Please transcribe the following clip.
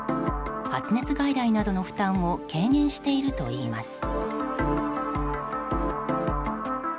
発熱外来などの負担を軽減しているといいます。